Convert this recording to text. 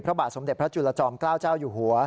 พระบาทสมเด็จพระจุลจอมเกล้าเจ้าอยู่หัว